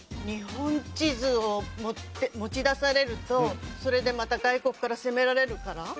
日本地図を持ち出されるとそれでまた外国から攻められるから。